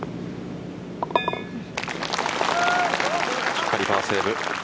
しっかりパーセーブ。